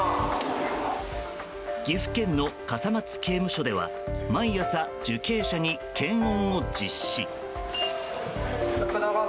岐阜県の笠松刑務所では毎朝、受刑者に検温を実施。